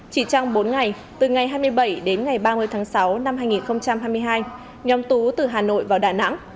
chỉ trong bốn ngày từ ngày hai mươi bảy đến ngày ba mươi tháng sáu năm hai nghìn hai mươi hai nhóm tú từ hà nội vào đà nẵng